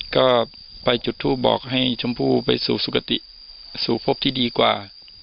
ก็ไปจุดทูปบอกให้ชมพู่ไปสู่สุขติสู่พบที่ดีกว่า